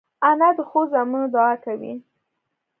انا د ښو زامنو دعا کوي